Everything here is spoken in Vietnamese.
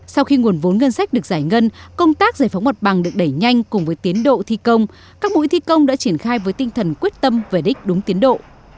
sau khi nguồn vốn ngân sách được giải ngân công tác giải phóng mặt bằng được đẩy nhanh cùng với tiến độ thi công các mũi thi công đã triển khai với tinh thần quyết tâm về đích đúng tiến độ